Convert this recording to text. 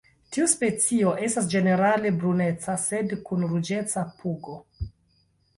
Tiu specio estas ĝenerale bruneca sed kun ruĝeca pugo.